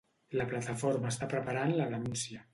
La Plataforma està preparant la denúncia.